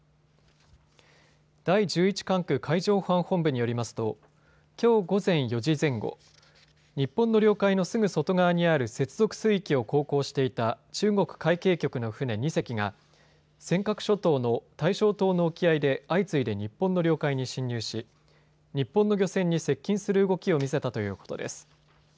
第１１管区海上保安本部によりますときょう午前４時前後、日本の領海のすぐ外側にある接続水域を航行していた中国海警局の船２隻が尖閣諸島の大正島の沖合で相次いで日本の領海に侵入し日本の漁船に接近する動きを見せたということです。